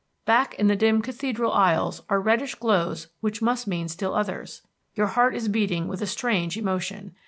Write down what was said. Back in the dim cathedral aisles are reddish glows which must mean still others. Your heart is beating with a strange emotion.